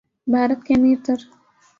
بھارت کے امیر تر